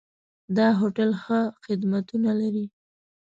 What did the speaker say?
دا هوټل ښه خدمتونه لري.